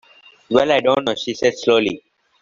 “Well, I don’t know,” she said slowly.